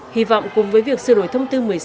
hy vọng cùng với việc sửa đổi thông tư một mươi sáu